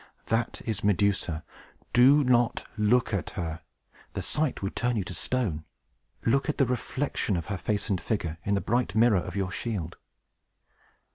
That is Medusa. Do not look at her! The sight would turn you to stone! Look at the reflection of her face and figure in the bright mirror of your shield."